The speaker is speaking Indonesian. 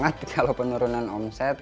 sangat kalau penurunan omset